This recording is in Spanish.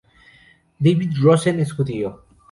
David Rosen es judío.